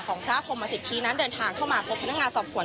พระพรมสิทธินั้นเดินทางเข้ามาพบพนักงานสอบสวน